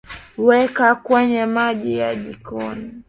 Weka kwenye maji ya jikoni